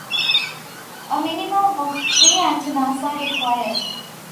A minimum of three antennas are required.